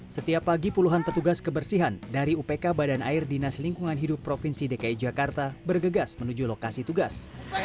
setiap pagi puluhan petugas kebersihan dari upk badan air dinas lingkungan hidup provinsi dki jakarta bergegas menuju lokasi tugas